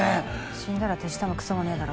死んだら手下もクソもねぇだろ。